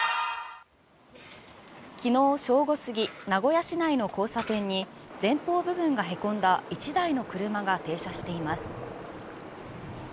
昨日正午過ぎ名古屋市内の交差点に前方部分がへこんだ１台の車が停車しています。